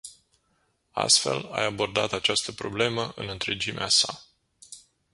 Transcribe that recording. Astfel ai abordat această problemă în întregimea sa.